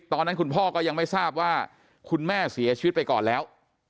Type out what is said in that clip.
ตอนนั้นคุณพ่อก็ยังไม่ทราบว่าคุณแม่เสียชีวิตไปก่อนแล้ว